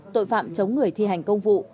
tội phạm chống người thi hành công vụ